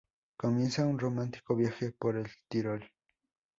Comienza un romántico viaje por el Tirol.